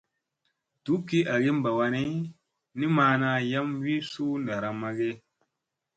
Dukki agi mɓa wanni, ni maana yam wi suu ɗaramma ge ?